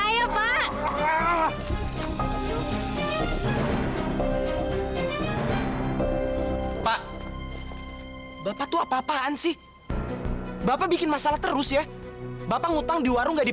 hai hai pak bapak itu apa apaan sih bapak bikin masalah terus ya bapak ngutang di warung nggak